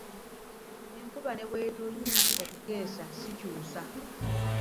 Enkuba nebwe toninya okukeesa sikyuka.